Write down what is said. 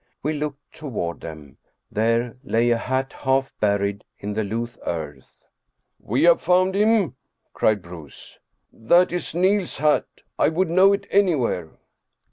We looked toward them ; there lay a hat half buried in the loose earth. " We have found him," cried Bruus. " That is Niels's hat; I would know it anywhere."